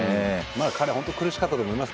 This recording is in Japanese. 彼本当苦しかったと思いますけどね。